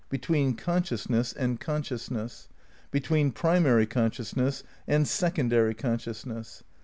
Between consciousness and consciousness. Between primary consciousness and secondary consciousness.